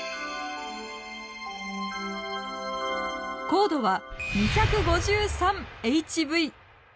硬度は２５３ＨＶ！